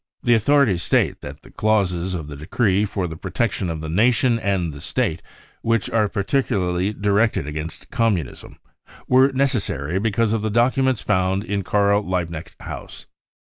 The authorities ^tate that the clauses of the decree for the protection of the nation and the" f state which are particularly directed against Com munism were necessary because of the documents found in Karl Liebknecht house.